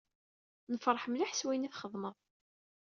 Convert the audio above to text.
Nefreḥ mliḥ s wayen i txedmeḍ.